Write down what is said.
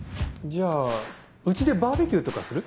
じゃあ家でバーベキューとかする？